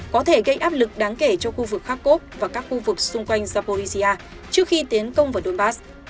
có thể gây áp lực đáng kể cho khu vực kharkov và các khu vực xung quanh japorizia trước khi tiến công vào donbass